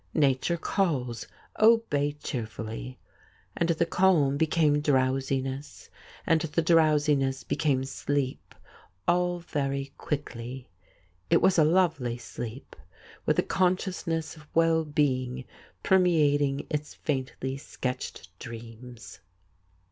Nature calls — ohej cheerfully. And the calm became drowsiness, and the drowsiness became sleep all very quickly. It was a lovely sleep, with a consciousness of well being permeating its faintly sketched dreams.